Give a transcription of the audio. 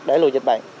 đẩy lùi dịch bệnh